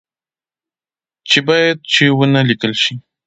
چې باید چي و نه لیکل شي